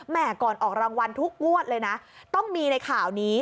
ก่อนออกรางวัลทุกงวดเลยนะต้องมีในข่าวนี้